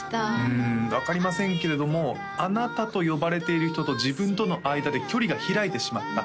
うん分かりませんけれども「貴女」と呼ばれている人と自分との間で距離が開いてしまった